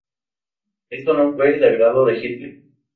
Esto no fue del agrado de Hitler.